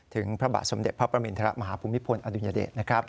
พระบาทสมเด็จพระประมินทรมาฮภูมิพลอดุญเดชนะครับ